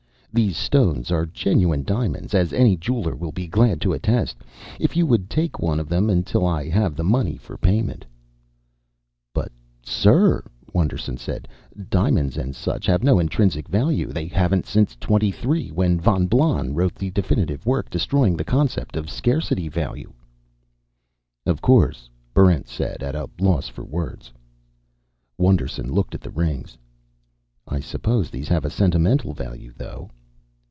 "These stones are genuine diamonds, as any jeweler will be glad to attest. If you would take one of them until I have the money for payment " "But, sir," Wonderson said, "diamonds and such have no intrinsic value. They haven't since '23, when Von Blon wrote the definitive work destroying the concept of scarcity value." "Of course," Barrent said, at a loss for words. Wonderson looked at the rings. "I suppose these have a sentimental value, though."